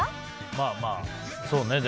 まあまあ、そうね。